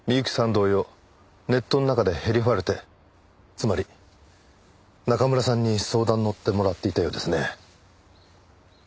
同様ネットの中でヘリファルテつまり中村さんに相談に乗ってもらっていたようですね。